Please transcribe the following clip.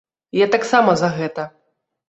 Я таксама за гэта.